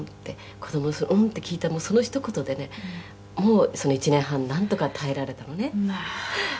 「子どものその“うん”って聞いたそのひと言でねもうその１年半なんとか耐えられたのね」